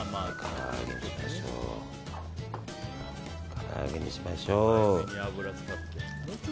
から揚げにしましょう。